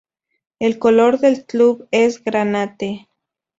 El color del club es granate.